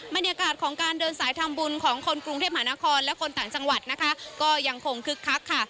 บรรยากาศของการเดินสายทำบุญของคนกรุงเทพมหานครและคนต่างจังหวัดนะคะก็ยังคงคึกคักค่ะ